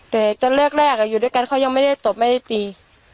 แต่ตอนแรกอยู่ด้วยกันเขายังไม่ได้ตบไม่ได้ตี